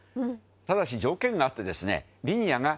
燭世条件があってですね